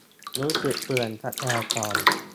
รู้สึกเปลืองทรัพยากร